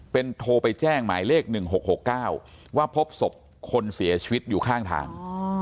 เป็นโทรไปแจ้งหมายเลข๑๖๖๙ว่าพบศพคนเสียชีวิตอยู่ข้างทาง